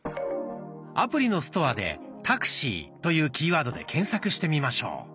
アプリのストアで「タクシー」というキーワードで検索してみましょう。